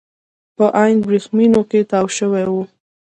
په عین ورېښمو کې تاو شوي وو.